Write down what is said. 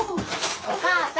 お母さん！